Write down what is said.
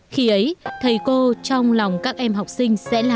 khi ấy thầy cô trong lòng các em học sinh sẽ làm